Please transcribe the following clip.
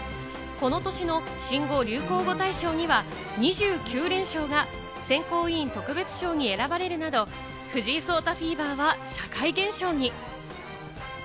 この年の新語・流行語大賞には、２９連勝が選考委員特別賞に選ばれるなど、藤井聡太フィーバーは社会現象に。